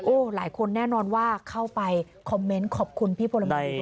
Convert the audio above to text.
หลายคนแน่นอนว่าเข้าไปคอมเมนต์ขอบคุณพี่พลเมืองดี